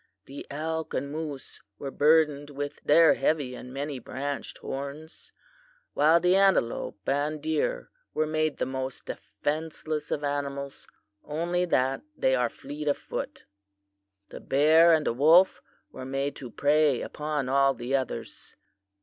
The elk and moose were burdened with their heavy and many branched horns, while the antelope and deer were made the most defenseless of animals, only that they are fleet of foot. The bear and the wolf were made to prey upon all the others.